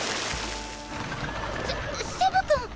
セセブ君？